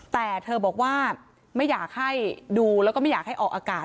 แต่เธอบอกว่าไม่อยากให้ดูแล้วก็ไม่อยากให้ออกอากาศ